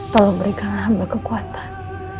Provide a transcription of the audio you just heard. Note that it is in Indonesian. tolong berikanlah hamba kekuatan